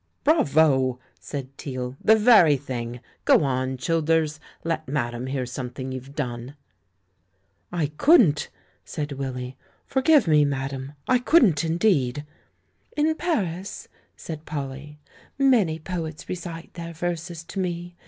"Bravo," said Teale, "the very thing! Go on, Childers; let madame hear something you've done." "I couldn't," said Willy. "Forgive me, ma dame; I couldn't, indeed!" "In Paris," said Polly, "many poets recite their verses to me.